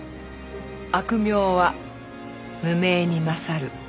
悪名は無名に勝る。